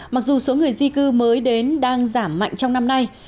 mặc dù số người di cư mới đến đang giảm mạnh trong năm nay